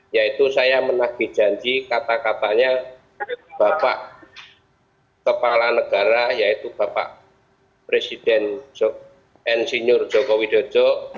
yaitu saya menagih janji kata katanya bapak kepala negara yaitu bapak presiden insinyur joko widodo